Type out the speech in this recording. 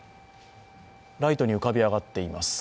ライトに浮かび上がっています。